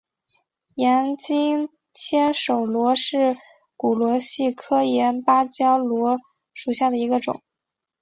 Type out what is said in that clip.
岩棘千手螺为骨螺科岩芭蕉螺属下的一个种。